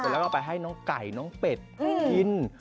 แล้วก็ไปให้น้องไก่น้องเป็ดกิน